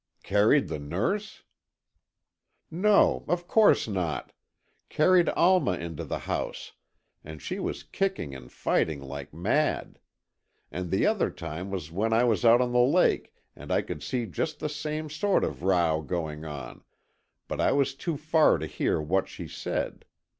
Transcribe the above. "Carried the nurse?" "No, of course not! Carried Alma into the house, and she was kicking and fighting like mad. And the other time was when I was out on the lake and I could see just the same sort of row going on, but I was too far to hear what she said.